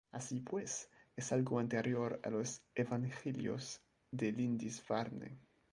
Así pues, es algo anterior a los Evangelios de Lindisfarne.